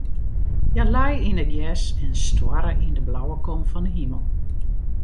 Hja lei yn it gjers en stoarre yn de blauwe kom fan de himel.